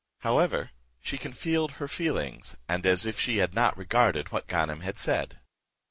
However, she concealed her feelings, and as if she had not regarded what Ganem had said.